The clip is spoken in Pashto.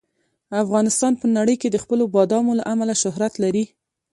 افغانستان په نړۍ کې د خپلو بادامو له امله شهرت لري.